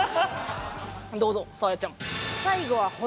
どうぞサーヤちゃん。